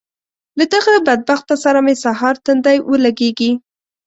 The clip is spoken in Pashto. له دغه بدبخته سره مې سهار تندی ولګېږي.